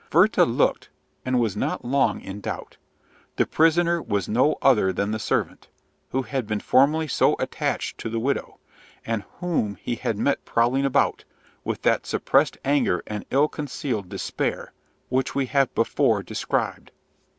Werther looked, and was not long in doubt. The prisoner was no other than the servant, who had been formerly so attached to the widow, and whom he had met prowling about, with that suppressed anger and ill concealed despair, which we have before described.